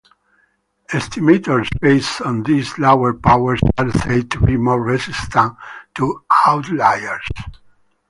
Estimators based on these lower powers are said to be more resistant to outliers.